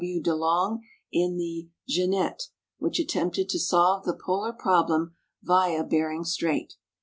W. De Long in the Jeannette, which attempted to solve the polar problem via Bering strait.